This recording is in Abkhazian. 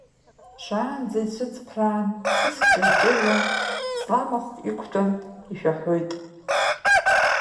Шаанӡа ицәыҵԥраан, ҵыск ҷырҷыруа, ҵламахәк иқәтәан ишәаҳәоит.